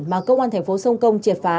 mà cơ quan thành phố sông công triệt phá